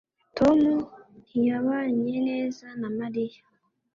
tom ntiyabanye neza na mariya